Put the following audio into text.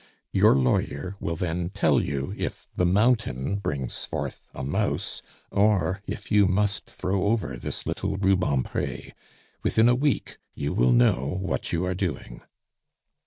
Your lawyer will then tell you if the mountain brings forth a mouse, or if you must throw over this little Rubempre. Within a week you will know what you are doing."